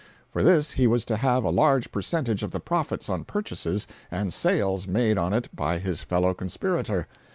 For this he was to have a large percentage of the profits on purchases and sales made on it by his fellow conspirator.